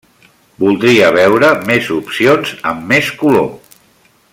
Voldria veure més opcions, amb més color.